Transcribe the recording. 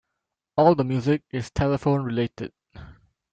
All the music is telephone related.